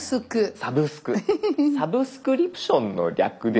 「サブスクリプション」の略ですよね。